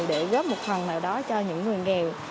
để góp một phần nào đó cho những người nghèo